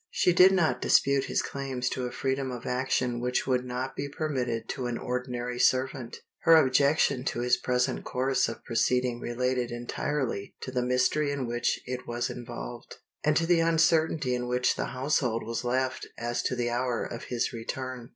She did not dispute his claims to a freedom of action which would not be permitted to an ordinary servant. Her objection to his present course of proceeding related entirely to the mystery in which it was involved, and to the uncertainty in which the household was left as to the hour of his return.